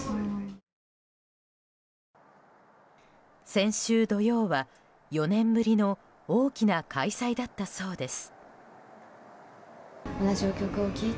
先週土曜は４年ぶりの大きな開催だったそうです。